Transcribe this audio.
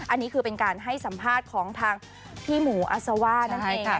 อันนี้คือเป็นการให้สัมภาษณ์ของทางพี่หมูอัศว่านั่นเองค่ะ